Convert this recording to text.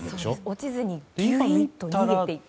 落ちずにぎゅいんと逃げていく。